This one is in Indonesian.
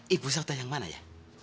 ibu saudah yang mana ya